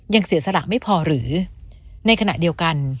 เสียสละไม่พอหรือในขณะเดียวกัน